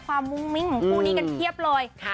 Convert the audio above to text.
มุ้งมิ้งของคู่นี้กันเพียบเลย